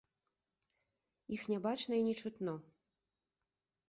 Іх не бачна і не чутно.